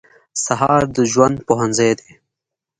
سهار د ژوند پوهنځی دی.